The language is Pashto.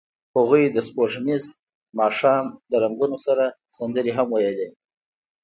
هغوی د سپوږمیز ماښام له رنګونو سره سندرې هم ویلې.